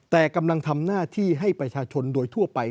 แต่กำลังทำหน้าที่ให้ประชาชนโดยทั่วไป